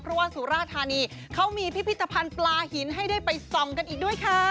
เพราะว่าสุราธานีเขามีพิพิธภัณฑ์ปลาหินให้ได้ไปส่องกันอีกด้วยค่ะ